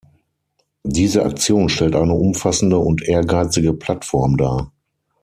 Diese Aktion stellt eine umfassende und ehrgeizige Plattform dar.